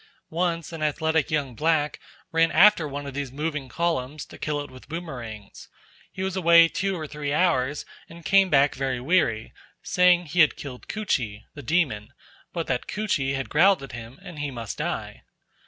Once an athletic young black ran after one of these moving columns to kill it with boomerangs. He was away two or three hours, and came back very weary, saying he had killed Koochee (the demon), but that Koochee had growled at him and he must die.